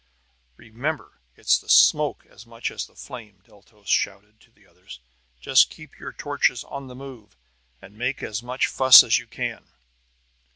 "Remember, it's the smoke as much as the flame," Deltos shouted to the others. "Just keep your torches on the move, and make as much fuss as you can!"